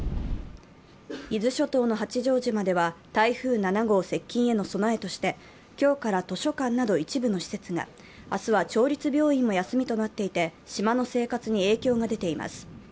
伊豆諸島の八丈島では台風７号接近への備えとして今日から図書館など一部の施設が、明日は町立病院も休みとなっていて、島の生活に影響が出ています。